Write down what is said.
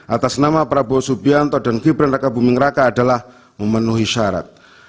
atas nama prabowo subianto dan gibran raka buming raka adalah memenuhi syarat